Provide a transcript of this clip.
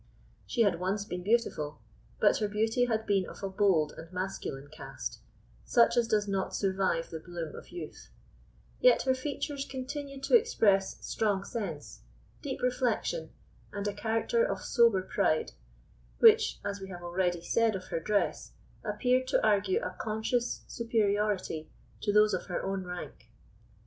She had once been beautiful, but her beauty had been of a bold and masculine cast, such as does not survive the bloom of youth; yet her features continued to express strong sense, deep reflection, and a character of sober pride, which, as we have already said of her dress, appeared to argue a conscious superiority to those of her own rank.